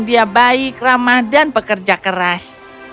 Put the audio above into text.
dia baik ramah dan pekerja keras